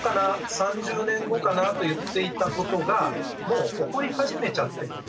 ３０年後かな？と言っていたことがもう起こり始めちゃってると。